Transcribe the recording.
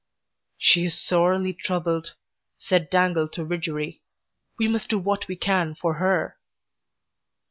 "She is sorely troubled," said Dangle to Widgery. "We must do what we can for her."